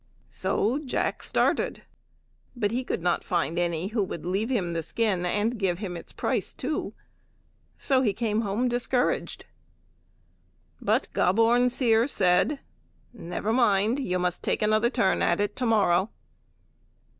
So Jack started, but he could not find any who would leave him the skin and give him its price too. So he came home discouraged. But Gobborn Seer said, "Never mind, you must take another turn at it to morrow."